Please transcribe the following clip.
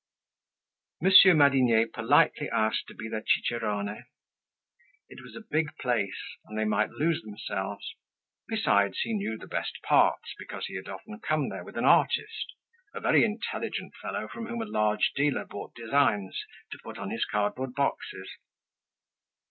Monsieur Madinier politely asked to be their cicerone. It was a big place, and they might lose themselves; besides, he knew the best parts, because he had often come there with an artist, a very intelligent fellow from whom a large dealer bought designs to put on his cardboard boxes.